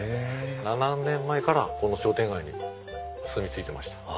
７年前からこの商店街に住み着いてました。